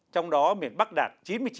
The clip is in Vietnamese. trong đó miền bắc đạt chín mươi chín ba mươi sáu